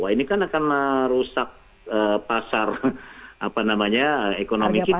ini kan akan merusak pasar apa namanya ekonomi kita